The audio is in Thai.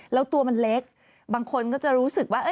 แล้วตัวมันเล็กบางคนก็จะรู้สึกว่า